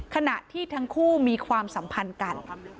ขณะที่ทั้งคู่มีความสัมพันธ์กัน